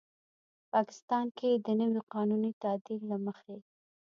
پاکستان کې د نوي قانوني تعدیل له مخې